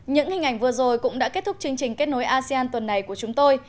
những hình ảnh vừa rồi cũng đã kết thúc chương trình kết nối asean tuần này của chúng tôi